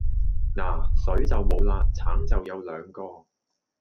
嗱水就無喇橙就有兩個